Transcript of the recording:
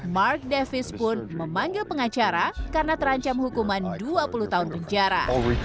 mark davis pun memanggil pengacara karena terancam hukuman dua puluh tahun penjara